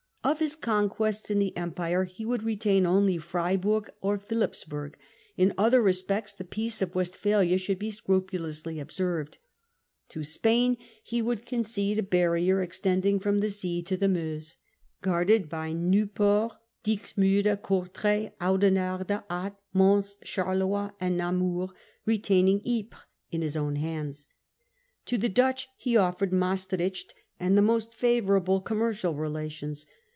Of his conquests in the Empire he would retain alone Freiburg or Philippsburg ; in other respects the Peace of Westphalia should be scrupulously observed. To Spain he would concede a barrier extending from the sea to the Meuse, guarded by Nieuport, Dixmude, Courtrai, Oude narde, Ath, Mons, Charleroi, and Namur, retaining Ypres in his own hands. To the Dutch he offered Maestricht and the most favourable commercial relations.